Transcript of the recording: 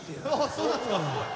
そうなんですか！